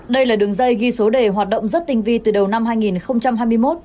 đây là đường dây ghi số đề hoạt động rất tinh vi từ đầu năm hai nghìn hai mươi một